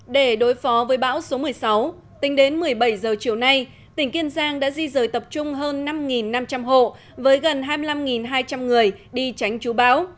để đối phó với bão số một mươi sáu tính đến một mươi bảy h chiều nay tỉnh kiên giang đã di rời tập trung hơn năm năm trăm linh hộ với gần hai mươi năm hai trăm linh người đi tránh chú bão